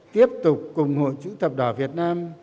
tiếp tục cùng hội chữ thập đỏ việt nam